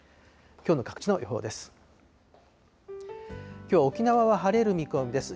きょうの各地の予報です。